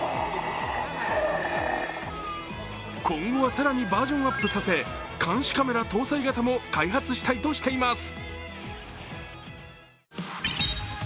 今後は更にバージョンアップさせ、監視カメラ搭載型も開発したいとしています。